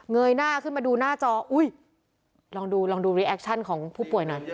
ยหน้าขึ้นมาดูหน้าจออุ้ยลองดูลองดูรีแอคชั่นของผู้ป่วยหน่อย